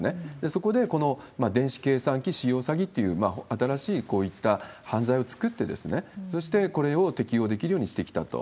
そこで、この電子計算機使用詐欺という、新しいこういった犯罪を作って、そしてこれを適用できるようにしてきたと。